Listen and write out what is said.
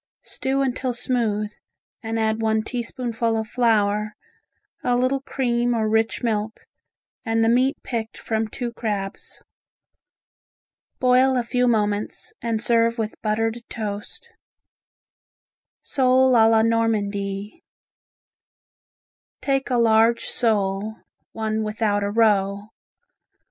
Stew until smooth, and add one teaspoonful of flour, a little cream or rich milk, and the meat picked from two crabs. Boil a few moments and serve with buttered toast. Sole a la Normandie Take a large sole (one without a roe).